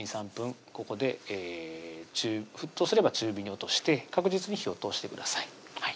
２３分ここで沸騰すれば中火に落として確実に火を通してください